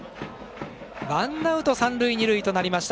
ワンアウト三塁二塁となりました。